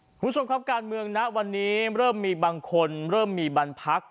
คุณผู้ชมครับการเมืองณวันนี้เริ่มมีบางคนเริ่มมีบรรพัก